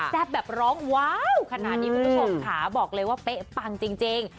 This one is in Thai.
แบบร้องว้าวขนาดนี้คุณผู้ชมค่ะบอกเลยว่าเป๊ะปังจริง